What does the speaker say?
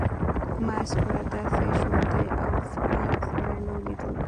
ما هیڅکله داسې ژوندی او فعال سړی نه و لیدلی